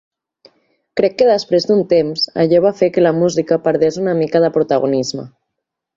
Crec que després d'un temps allò va fer que la música perdés una mica de protagonisme.